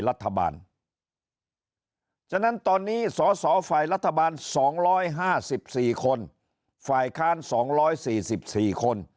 รัฐบาลฉะนั้นตอนนี้สสฝ่ายรัฐบาล๒๕๔คนฝ่ายค้าน๒๔๔คน